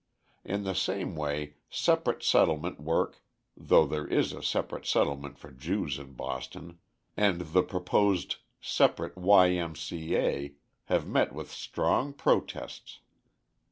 In the same way separate settlement work (though there is a separate settlement for Jews in Boston) and the proposed separate Y. M. C. A. have met with strong protests.